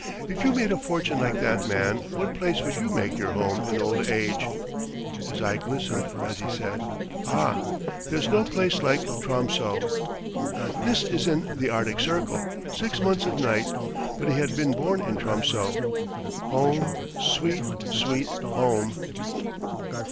If you made a fortune like that man what place would you make your home in old age?" His eye glistened as he said: "Ah, there's no place like Tromso." This is in the arctic circle, six months of night, but he had been born in Tromso. Home, sweet, sweet home!